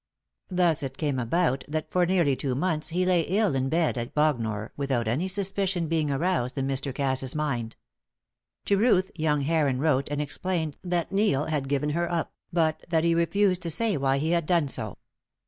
Thus it came about that for nearly two months he lay ill in bed at Bognor without any suspicion being aroused in Mr. Cass's mind. To Ruth young Heron wrote and explained that Neil had given her up, but that he refused to say why he had done so.